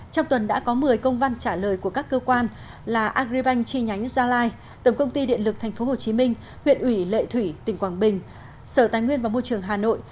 trong tuần đã có một mươi công văn trả lời của các cơ quan là agribank chi nhánh gia lai tổng công ty điện lực tp hcm huyện ủy lệ thủy tỉnh quảng bình sở tài nguyên và môi trường hà nội